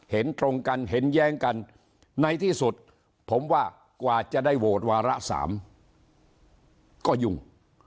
เห็นตรงกันเห็นแย้งกันในที่สุดผมว่ากว่าจะได้โหวตวาระ๓ก็ยุ่ง